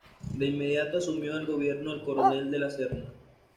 De inmediato asumió el gobierno el coronel De la Serna.